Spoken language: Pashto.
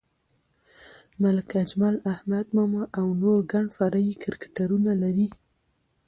ملک اجمل، احمد ماما او نور ګڼ فرعي کرکټرونه لري.